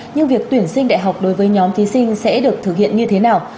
nhưng việc tuyển sinh đại học đối với nhóm thí sinh sẽ được thực hiện như thế nào